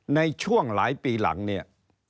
ในช่วงหลายปีหลังเนี่ย